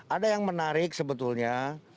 ada yang menarik sebetulnya